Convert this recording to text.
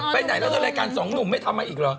ไปไหนแล้วในรายการสองหนุ่มไม่ทำมาอีกเหรอ